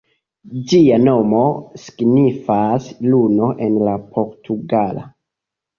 Ĝia nomo signifas "luno" en la portugala.